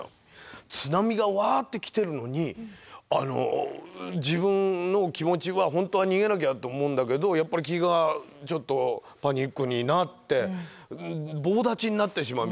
津波がわって来てるのに自分の気持ちは本当は逃げなきゃって思うんだけどやっぱり気がちょっとパニックになって棒立ちになってしまうみたいな。